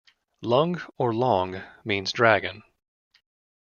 "Lung" or "Long" means dragon.